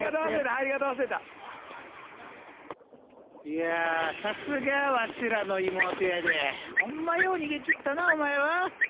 いやさすがわしらの妹やでホンマよう逃げきったなお前は。